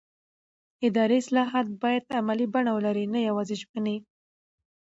اداري اصلاحات باید عملي بڼه ولري نه یوازې ژمنې